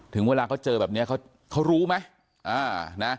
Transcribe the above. ถึงเวลาเขาเจอแบบนี้เขารู้ไหม